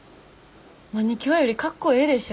マニキュアよりかっこええでしょ。